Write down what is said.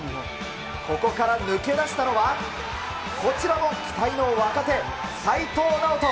ここから抜け出したのは、こちらも期待の若手、齋藤直人。